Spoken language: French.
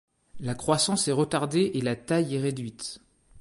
La croissance est retardée et la taille est réduite.